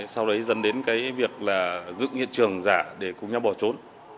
sau đấy dần đến cái việc là dựng hiện trường giả để cùng nhau bỏ trốn